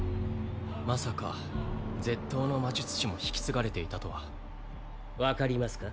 まさか絶刀の魔術師も引き継がれていたとは分かりますか？